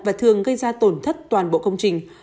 và thường gây ra tổn thất toàn bộ công trình